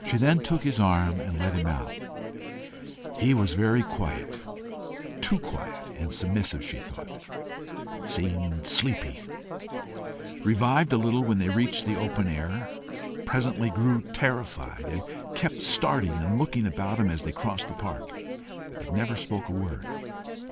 She then took his arm and led him out. He was very quiet too quiet and submissive, she thought seemed sleepy, revived a little when they reached the open air, presently grew terrified, and kept starting and looking about him as they crossed the park, but never spoke a word.